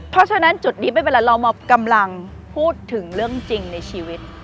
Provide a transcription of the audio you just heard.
เพราะฉะนั้นจุดนี้ไม่เป็นไรเรากำลังพูดถึงเรื่องจริงในชีวิต